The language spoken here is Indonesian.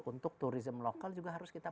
untuk turisme lokal juga harus kita